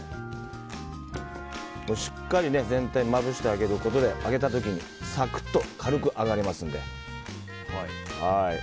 しっかり全体をまぶしてあげることで揚げた時にサクッと軽く揚がりますので。